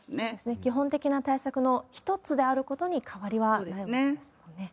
基本的な対策の一つであることに変わりはないですもんね。